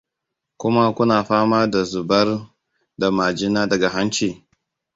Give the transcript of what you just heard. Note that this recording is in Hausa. kuma kuna fama da zubar da majina daga hanci?